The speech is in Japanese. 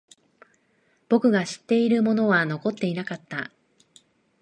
僕が知っているものは残っていなかった。